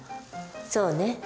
そうね。